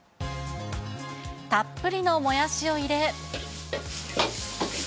たっぷりのもやしを入れ。